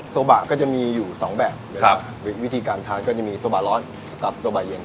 โซบ้าก็จะมีอยู่สองแบบวิธีการทานก็จะมีโซบ้ารอดกับโซบ้ายเย็น